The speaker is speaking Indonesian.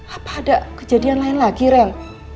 apa ada kejadian lain lagi rem